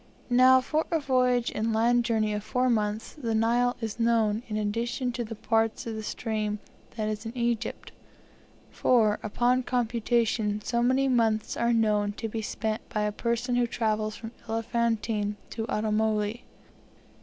Now, for a voyage and land journey of four months, the Nile is known, in addition to the part f the stream that is in Egypt; for, upon computation, so many months are known to be spent by a person who travels from Elephantine to the Automoli.